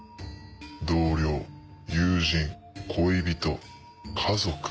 同僚友人恋人家族。